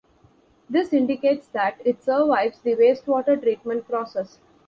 This indicates that it survives the wastewater treatment process.